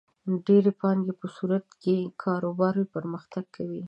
د ډېرې پانګې په صورت کې کاروبار پرمختګ کوي.